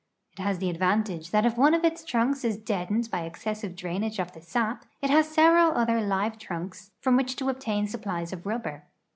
It has the advantage that if one of its trunks is deadened by excessive drainage of the sap, it has several other live trunks from which to obtain supplies of rubber.